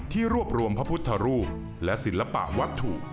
รวบรวมพระพุทธรูปและศิลปะวัตถุ